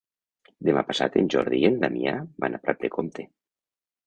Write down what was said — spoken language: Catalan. Demà passat en Jordi i en Damià van a Prat de Comte.